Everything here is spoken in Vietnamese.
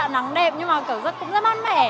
nắng đẹp nhưng mà kiểu cũng rất bát mẻ